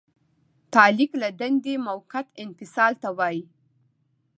تعلیق له دندې موقت انفصال ته وایي.